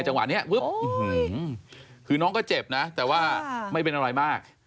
จังหวะนี้ปุ๊บคือน้องก็เจ็บนะแต่ว่าไม่เป็นอะไรมาก